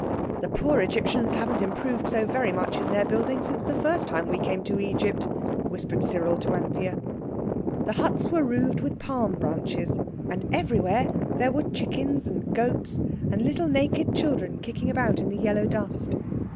"The poor Egyptians haven't improved so very much in their building since the first time we came to Egypt," whispered Cyril to Anthea. The huts were roofed with palm branches, and everywhere there were chickens, and goats, and little naked children kicking about in the yellow dust.